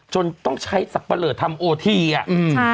จนต้องใช้สักประเหลิกทำโอทีอ่ะ